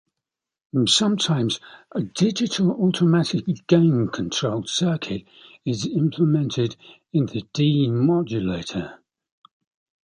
Sometimes a digital automatic gain control circuit is implemented in the demodulator.